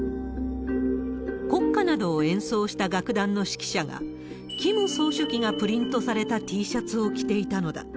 国歌などを演奏した楽団の指揮者が、キム総書記がプリントされたＴシャツを着ていたのだ。